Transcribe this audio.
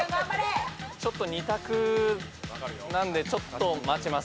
ちょっと二択なんでちょっと待ちます